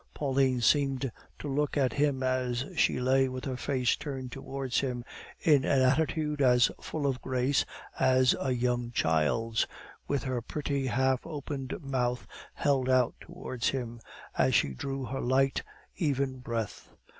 Pauline seemed to look at him as she lay with her face turned towards him in an attitude as full of grace as a young child's, with her pretty, half opened mouth held out towards him, as she drew her light, even breath.